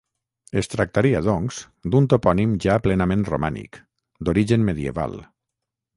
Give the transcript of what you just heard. Es tractaria, doncs, d'un topònim ja plenament romànic, d'origen medieval.